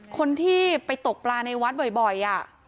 คนที่ไปตกปลาในวัดบ่อย